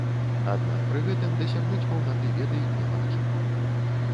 Аднак пры гэтым дасягнуць паўнаты веды немагчыма.